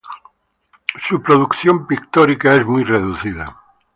Su producción pictórica es muy reducida.